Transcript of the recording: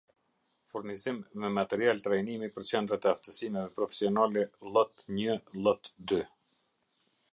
Furnizim me material trajnimi për qendrat e aftësimeve profesionale llot-një llot-dy